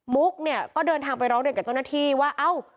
ุ๊กเนี่ยก็เดินทางไปร้องเรียนกับเจ้าหน้าที่ว่าเอ้า